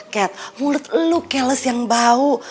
ket mulut lu keles yang bau